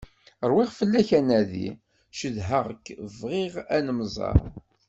Ṛwiɣ fell-ak anadi, cedheɣ-k, bɣiɣ ad nemmẓer.